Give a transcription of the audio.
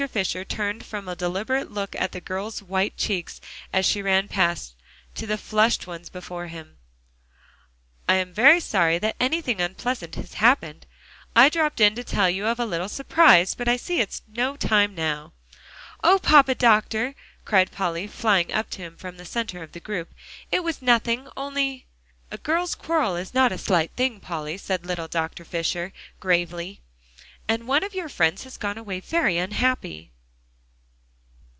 Fisher turned from a deliberate look at the girl's white cheeks, as she ran past, to the flushed ones before him. "I'm very sorry that anything unpleasant has happened. I dropped in to tell you of a little surprise, but I see it's no time now." "Oh, Papa Doctor!" cried Polly, flying up to him from the center of the group, "it was nothing only" "A girl's quarrel is not a slight thing, Polly," said little Dr. Fisher gravely, "and one of your friends has gone away very unhappy."